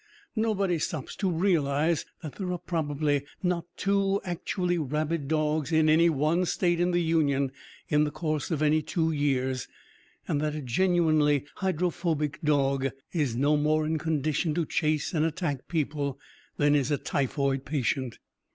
Nobody stops to realise that there are probably not two actually rabid dogs in any one state in the Union in the course of any two years, and that a genuinely hydrophobic dog is no more in condition to chase and attack people than is a typhoid patient.